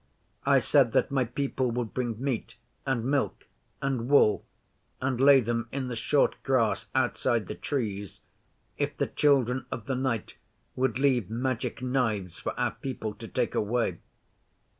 I said that my people would bring meat, and milk, and wool, and lay them in the short grass outside the Trees, if the Children of the Night would leave Magic Knives for our people to take away.